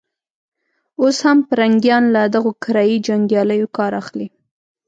اوس هم پرنګيان له دغو کرایه يي جنګیالیو کار اخلي.